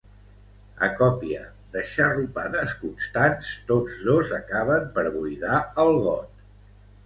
A còpia de xarrupades constants, tots dos acaben per buidar el got.